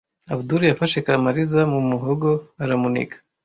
Abudul yafashe Kamariza mu muhogo aramuniga.